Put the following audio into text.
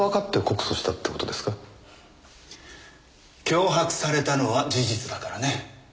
脅迫されたのは事実だからね。